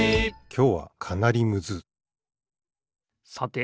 きょうはかなりむずさて